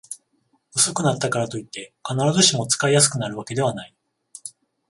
薄くなったからといって、必ずしも使いやすくなるわけではない